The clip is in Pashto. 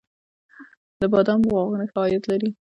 د بادامو باغونه ښه عاید لري؟